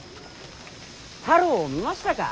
太郎を見ましたか。